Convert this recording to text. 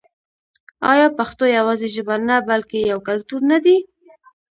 آیا پښتو یوازې ژبه نه بلکې یو کلتور نه دی؟